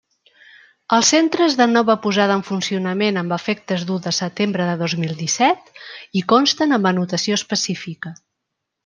Els centres de nova posada en funcionament amb efectes d'u de setembre de dos mil disset hi consten amb anotació específica.